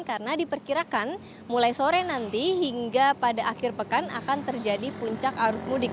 karena diperkirakan mulai sore nanti hingga pada akhir pekan akan terjadi puncak arus mudik